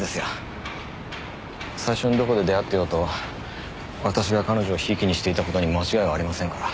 最初にどこで出会ってようと私が彼女を贔屓にしていた事に間違いはありませんから。